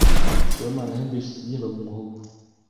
Sibomana yumvise ikibyimba mu muhogo.